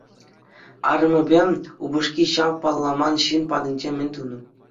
Арӑмӗпе упӑшки ҫав палламан ҫын патӗнче мӗн тунӑ?